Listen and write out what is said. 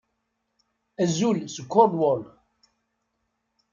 Azul seg Cornwall!